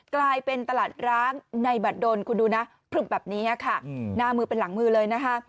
กลายเป็นตลาดร้างในบัตรดนคุณดูนะพลึบแบบนี้ค่ะหน้ามือเป็นหลังมือเลยนะคะ